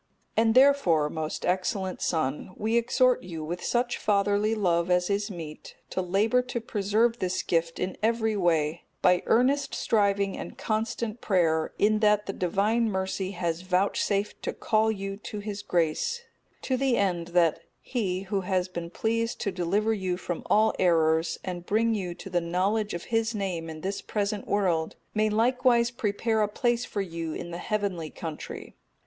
And, therefore, most excellent son, we exhort you with such fatherly love as is meet, to labour to preserve this gift in every way, by earnest striving and constant prayer, in that the Divine Mercy has vouchsafed to call you to His grace; to the end that He, Who has been pleased to deliver you from all errors, and bring you to the knowledge of His name in this present world, may likewise prepare a place for you in the heavenly country.